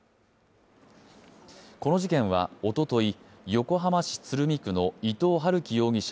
この事件はおととい、横浜市鶴見区の伊藤龍稀容疑者